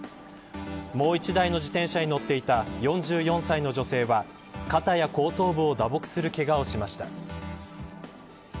もう一台の自転車に乗っていた４４歳の女性は肩や後頭部を打撲するけがをしました。